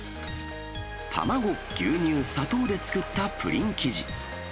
卵、牛乳、砂糖で作ったプリン生地。